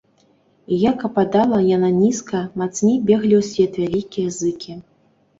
І як ападала яна нізка, мацней беглі ў свет вялікія зыкі.